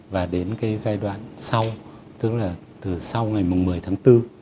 và đến cái giai đoạn sau tức là từ sau ngày một mươi tháng bốn